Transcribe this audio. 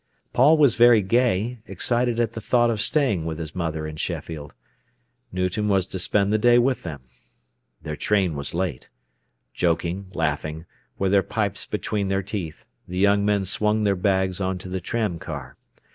Paul was very gay, excited at the thought of staying with his mother in Sheffield. Newton was to spend the day with them. Their train was late. Joking, laughing, with their pipes between their teeth, the young men swung their bags on to the tram car.